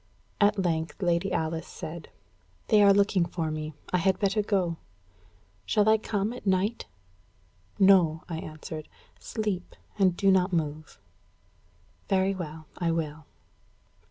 At length Lady Alice said: "They are looking for me; I had better go. Shall I come at night?" "No," I answered. "Sleep, and do not move." "Very well, I will."